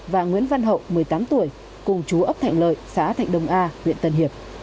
và nguyễn văn hậu một mươi tám tuổi cùng chú ấp thạnh lợi xã thạnh đông a huyện tân hiệp